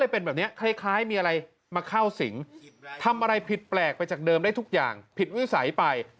ผิดแปลกไปจากเดิมได้ทุกอย่างผิดวิวสัยไป